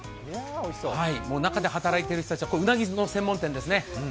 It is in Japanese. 中で働いてる人たちうなぎの専門店ですね。